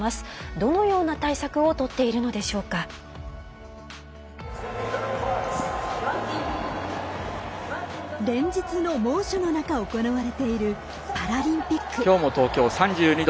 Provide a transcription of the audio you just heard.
どのような対策を取っているので連日の猛暑の中、行われているパラリンピック。